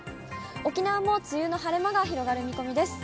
沖縄も梅雨の晴れ間が広がる見込みです。